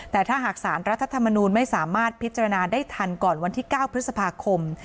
แต่ถ้าหากสารรัฐธรรมนูลไม่สามารถพิจารณาได้ทันก่อนวันที่๙พฤษภาคม